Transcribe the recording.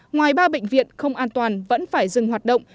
ngoài ba bệnh viện không an toàn vẫn phải dừng hoạt động